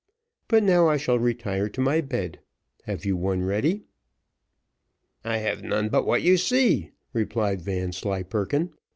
But now I shall retire to my bed. Have you one ready?" "I have none but what you see," replied Vanslyperken.